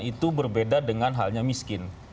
itu berbeda dengan halnya miskin